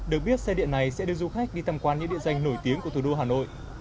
được biết xe điện này sẽ đưa du khách đi tham quan những địa danh nổi tiếng của thủ đô hà nội